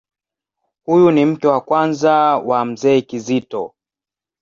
Huyu ni mke wa kwanza wa Mzee Kizito.